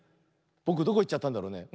ぼくどこいっちゃったんだろうね。